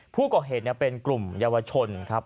ผู้ก่อเหตุเป็นกลุ่มเยาวชนครับ